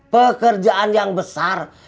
pekerjaan yang besar